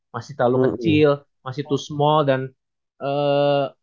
masih terlalu kecil masih too small dan eee